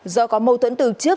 do có mâu thuẫn từ trước